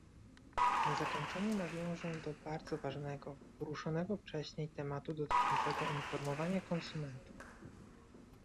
Na zakończenie nawiążę do bardzo ważnego, poruszonego wcześniej, tematu dotyczącego informowania konsumentów